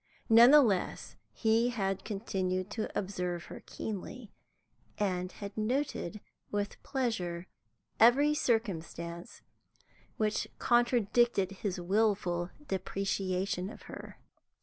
None the less, he had continued to observe her keenly, and had noted with pleasure every circumstance which contradicted his wilful depreciation of her.